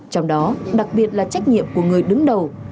trong đó đặc biệt là trách nhiệm của người đứng đầu